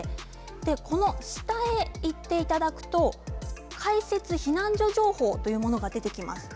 その下へいっていただきますと開設避難所情報というのが出てきます。